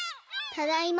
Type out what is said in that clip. ただいま。